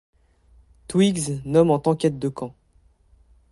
Twiggs nomme en tant qu'aide-de-camp.